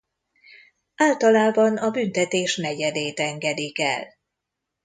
Általában a büntetés negyedét engedik el.